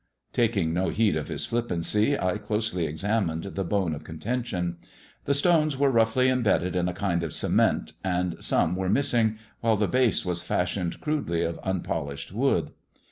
Taking no heed of his flippancy, I closely examined the bone of contention. The stones were roughly imbedded in a kind of cement, and some were missing, while the base was fashioned crudely of unpolished wood.